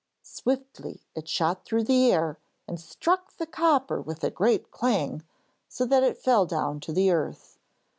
Swiftly it shot through the air and struck the copper with a great clang, so that it fell down to the earth.